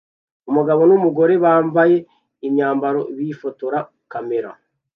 Umugabo numugore bambaye imyambarire bifotora kamera